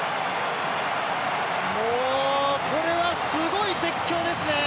これはすごい絶叫ですね。